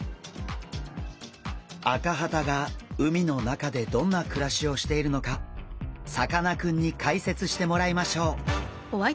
アカハタが海の中でどんな暮らしをしているのかさかなクンに解説してもらいましょう。